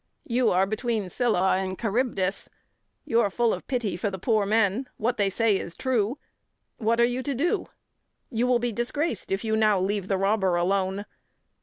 You are between Sylla and Charybdis. You are full of pity for the poor men. What they say is true. What are you to do? You will be disgraced if you now leave the robber alone.